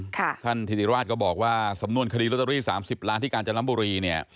ท่านธิติราชก็บอกว่าสำนวนคดีลอตเตอรี่๓๐ล้านที่กาญจนบุรีเนี่ย